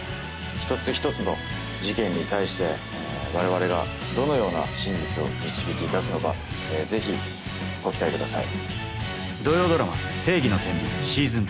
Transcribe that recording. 一つ一つの事件に対して我々がどのような真実を導き出すのか是非ご期待ください。